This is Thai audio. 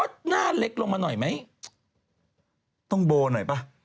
หน้าเล็กลงมาหน่อยไหมต้องโบหน่อยป่ะ